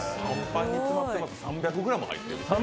３００ｇ入っている。